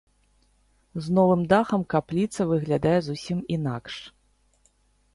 З новым дахам капліца выглядае зусім інакш.